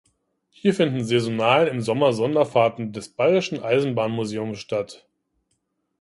Hier finden saisonal im Sommer Sonderfahrten des Bayerischen Eisenbahnmuseums statt.